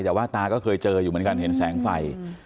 แต่ว่าตาก็เคยเจออยู่เหมือนกันเห็นแสงไฟ